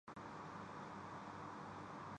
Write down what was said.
ایک شریف ہیں۔